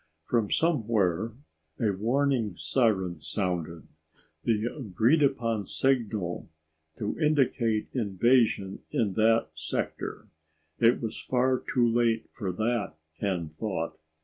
From somewhere, a warning siren sounded, the agreed upon signal to indicate invasion in that sector. It was far too late for that, Ken thought.